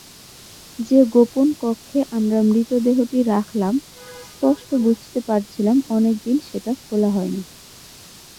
যে গোপন কক্ষে আমরা মৃতদেহটি রাখলাম স্পষ্ট বুঝতে পারছিলাম অনেকদিন সেটা খোলা হয়নি।